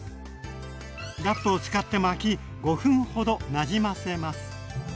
ラップを使って巻き５分ほどなじませます。